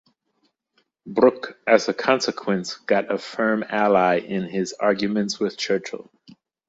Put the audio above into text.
Brooke as a consequence got a firm ally in his arguments with Churchill.